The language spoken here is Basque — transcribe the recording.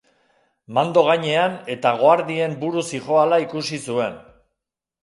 Mando gainean eta goardien buru zihoala ikusi zuen.